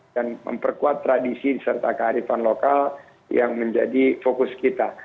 dan memperkuat tradisi serta kearifan lokal yang menjadi fokus kita